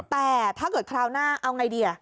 แต่ถ้าเกิดคราวหน้าเอาไงดี